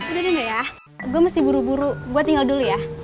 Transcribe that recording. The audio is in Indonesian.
udah udah udah ya gua mesti buru buru gua tinggal dulu ya